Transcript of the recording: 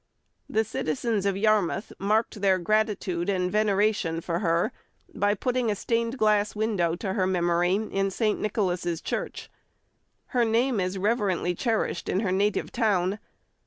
The citizens of Yarmouth marked their gratitude and veneration for her by putting a stained glass window to her memory in St. Nicholas's Church. Her name is reverently cherished in her native town.